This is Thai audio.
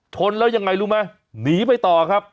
ชนแล้วยังไงรู้ไหมหนีไปต่อครับ